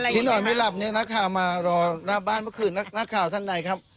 ที่นอนไม่หลับเนี่ยนักข่าวมารอหน้าบ้านเมื่อคืนนักข่าวท่านใดครับ